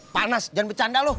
panas jangan bercanda lo